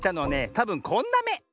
たぶんこんなめ。